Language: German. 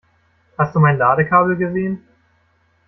Hast du mein Ladekabel gesehen?